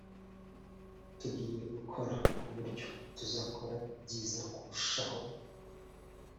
tugiye gukora ku buryo tuzakora byiza kurushaho